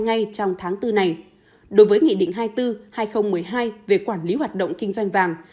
ngay trong tháng bốn này đối với nghị định hai mươi bốn hai nghìn một mươi hai về quản lý hoạt động kinh doanh vàng